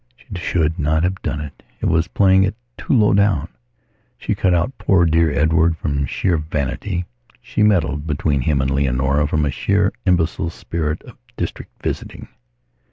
She should not have done it. It was playing it too low down. She cut out poor dear Edward from sheer vanity; she meddled between him and Leonora from a sheer, imbecile spirit of district visiting.